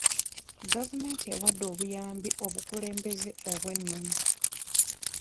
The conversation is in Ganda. Gavumenti ewadde obuyambi obukulembeze obw'ennono.